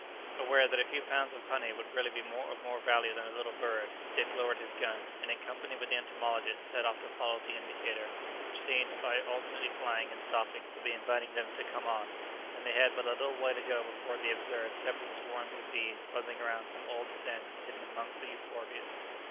Aware that a few pounds of honey would really be of more value than a little bird, Dick lowered his gun, and in company with the entomologist set off to follow the indicator, which seemed, by alternately flying and stopping, to be inviting them to come on, and they had but a little way to go before they observed several swarms of bees buzzing around some old stems hidden amongst the euphorbias.